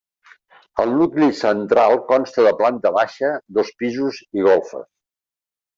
El nucli central consta de planta baixa, dos pisos i golfes.